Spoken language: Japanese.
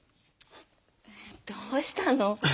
えどうしたの？